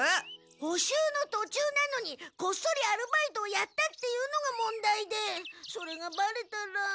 補習のとちゅうなのにこっそりアルバイトをやったっていうのが問題でそれがバレたら。